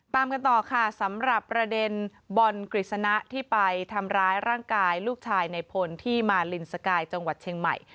ตามกันต่อค่ะสำหรับประเด็นบอลกฤษณะที่ไปทำร้ายร่างกายลูกชายในพลที่มาลินสกายจังหวัดเชียงใหม่